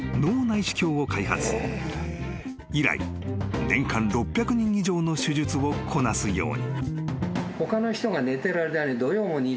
［以来年間６００人以上の手術をこなすように］